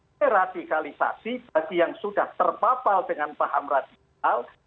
deradikalisasi bagi yang sudah terpapar dengan paham radikal